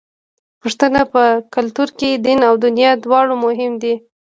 د پښتنو په کلتور کې دین او دنیا دواړه مهم دي.